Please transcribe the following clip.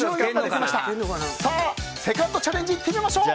さあ、セカンドチャレンジいってみましょう！